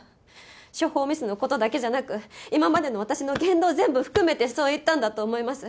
処方ミスの事だけじゃなく今までの私の言動全部含めてそう言ったんだと思います。